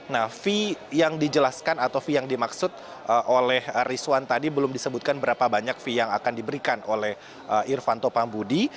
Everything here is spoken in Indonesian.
nah fee yang dijelaskan atau fee yang dimaksud oleh rizwan tadi belum disebutkan berapa banyak fee yang akan diberikan oleh irvanto pambudi